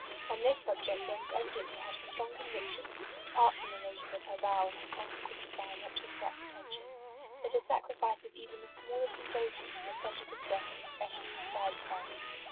On this subject Rose evidently had a strong conviction, apart from the motive of her vow and her con sequent desire not to attract attention, that a sacrifice of even the smallest indulgence in the pleasures of dress was specially required of her.